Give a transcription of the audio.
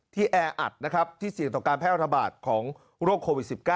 แออัดนะครับที่เสี่ยงต่อการแพร่ระบาดของโรคโควิด๑๙